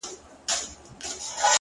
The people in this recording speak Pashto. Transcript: خو پر زړه مي سپين دسمال د چا د ياد!!